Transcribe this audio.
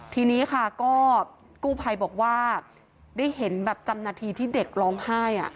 ทีนี้ค่ะก็กู้ภัยบอกว่าได้เห็นแบบจำนาทีที่เด็กร้องไห้